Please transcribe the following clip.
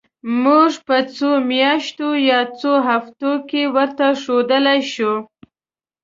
موږ په څو میاشتو یا څو هفتو کې ورته ښودلای شو.